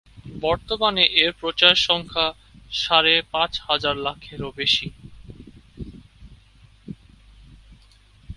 বর্তমানে এর প্রচার সংখ্যা সাড়ে পাঁচ লাখের বেশি।